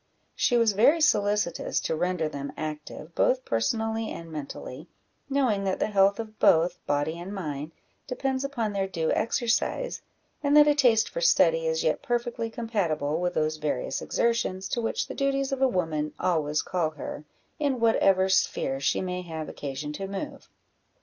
She was very solicitous to render them active, both personally and mentally, knowing that the health of both body and mind depends upon their due exercise, and that a taste for study is yet perfectly compatible with those various exertions to which the duties of a woman always call her, in whatever sphere she may have occasion to move.